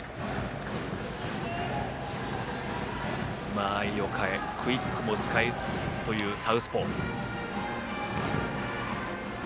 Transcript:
間合いを変えクイックも使うというサウスポー。